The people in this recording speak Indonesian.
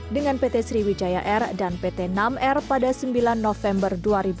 dengan pt sriwijaya air dan pt nam air pada sembilan november dua ribu dua puluh